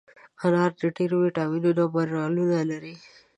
انار ډېر ویټامینونه او منرالونه لري.